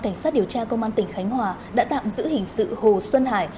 cảnh sát điều tra công an tỉnh khánh hòa đã tạm giữ hình sự hồ xuân hải